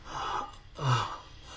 ああ。